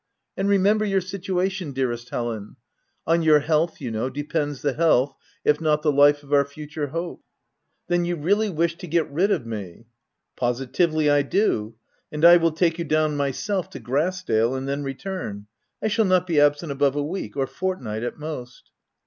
And remember your situation, dearest Helen ; on your health, you know, depends the health, if not the life of our future hope." " Then you really wish to get rid of me ?"" Positively, I do ; and I will take you down my self to Grass dale, and then return. I shall not be absent above a week — or fortnight at most.